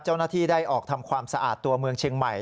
เจ้าหน้าที่ได้ออกทำความสะอาดตัวเมืองเชียงใหม่